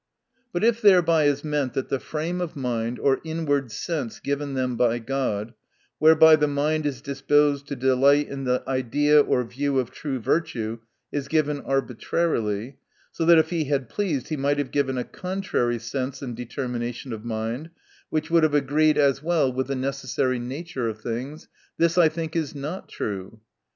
But if thereby is meant, that the frame of mind, or inward sense given them by God, whereby the mind is disposed to delight in the idea or view of true virtue, is given arbitrarily, so that if he had pleased he might have given a contrary sense and determination of mind, which would have agreed as well with the necessary nature of things, this I think is not true.